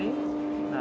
di sudut ini nih